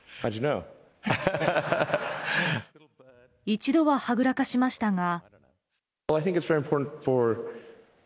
一度ははぐらかしましたが。